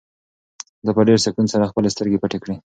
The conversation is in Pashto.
ده په ډېر سکون سره خپلې سترګې پټې کړې.